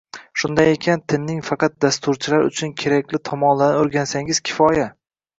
Shunday ekan, tilning faqat dasturchilar uchun kerakli tomonlarini o’rgansangiz kifoya